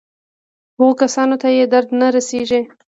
هغو کسانو ته یې درد نه رسېږي.